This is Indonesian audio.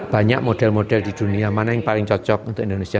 banyak model model di dunia mana yang paling cocok untuk indonesia